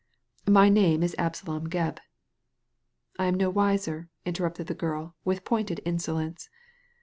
" My name is Absalom Gebb." " I am no wiser," interrupted the girl, with pointed insolence.